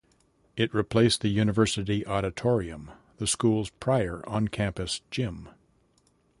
It replaced the University Auditorium, the school's prior on-campus gym.